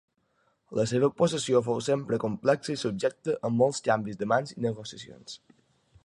La seva possessió fou sempre complexa i subjecte a molts canvis de mans i negociacions.